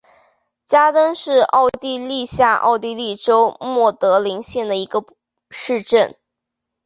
加登是奥地利下奥地利州默德林县的一个市镇。